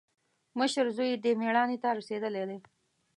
مشر زوی دې مېړانې ته رسېدلی دی.